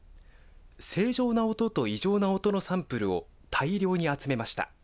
正常な音と異常な音のサンプルを大量に集めました。